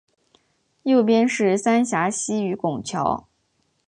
右边是三峡溪与拱桥